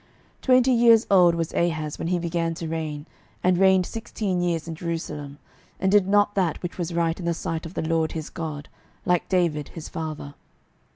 12:016:002 Twenty years old was Ahaz when he began to reign, and reigned sixteen years in Jerusalem, and did not that which was right in the sight of the LORD his God, like David his father.